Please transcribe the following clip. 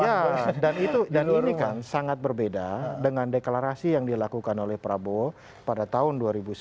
ya dan ini kan sangat berbeda dengan deklarasi yang dilakukan oleh prabowo pada tahun dua ribu sembilan belas